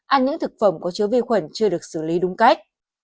ăn những thực phẩm có chứa vi khuẩn chưa được xử lý đúng cách